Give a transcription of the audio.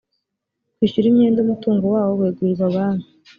kwishyura imyenda umutungo wawo wegurirwa banki